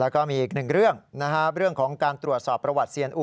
แล้วก็มีอีกหนึ่งเรื่องเรื่องของการตรวจสอบประวัติเซียนอู